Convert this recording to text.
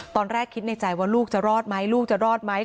ตอนแรกคิดในใจว่าลูกจะรอดไหมลูกจะรอดไหม